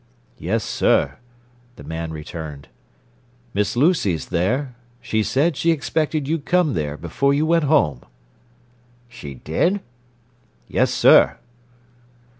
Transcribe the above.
"Yes, sir," the man returned. "Miss Lucy's there. She said she expected you'd come there before you went home." "She did?" "Yes, sir."